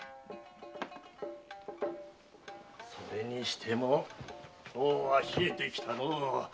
それにしても冷えてきたのう。